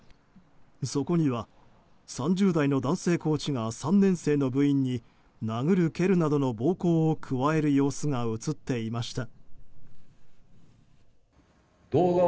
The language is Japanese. そこには、３０代の男性コーチが３年生の部員に殴る蹴るなどの暴行を加える様子が映っていました。